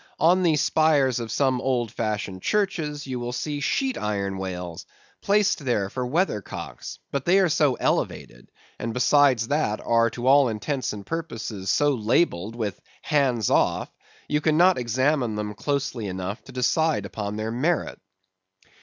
On the spires of some old fashioned churches you will see sheet iron whales placed there for weather cocks; but they are so elevated, and besides that are to all intents and purposes so labelled with "Hands off!" you cannot examine them closely enough to decide upon their merit.